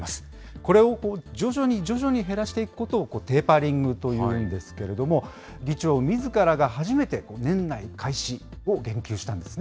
これを徐々に徐々に減らしていくことをテーパリングというんですけど、議長みずからが初めて、年内開始を言及したんですね。